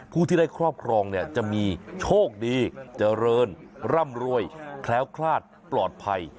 ผู้ที่ได้ครอบครองเนี่ยจะมีโชคดีเจริญร่ำรวยแคล้วคลาดปลอดภัย